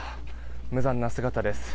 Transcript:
無残な姿です。